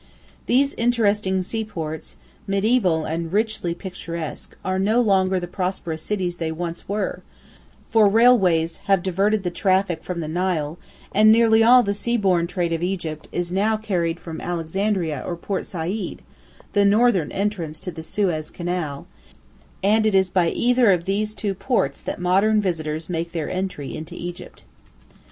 These interesting seaports, mediæval and richly picturesque, are no longer the prosperous cities they once were, for railways have diverted traffic from the Nile, and nearly all the seaborne trade of Egypt is now carried from Alexandria or Port Said, the northern entrance to the Suez Canal, and it is by either of these two ports that modern visitors make their entry into Egypt.